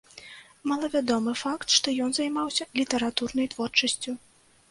Малавядомы факт, што ён займаўся літаратурнай творчасцю.